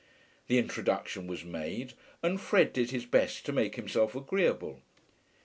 The introduction was made, and Fred did his best to make himself agreeable.